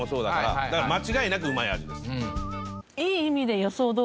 だから間違いなくうまい味です。